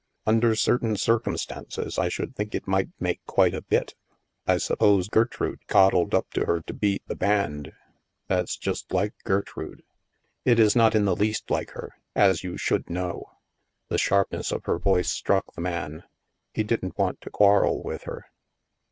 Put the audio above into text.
" Under certain circumstances, I should think it might make quite a bit. I suppose Gertrude cod dled up to her to beat the band. That's just like Gertrude." "It is not in the least like her, as you should know." The sharpness of her voice struck the man. He didn't want to quarrel with her.